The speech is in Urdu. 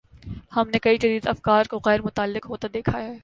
ہم نے کئی جدید افکار کو غیر متعلق ہوتے دیکھا ہے۔